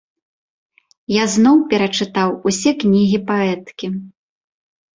Я зноў перачытаў усе кнігі паэткі.